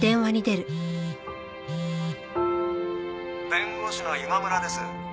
「弁護士の今村です。